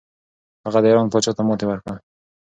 هغه د ایران پاچا ته ماتې ورکړه.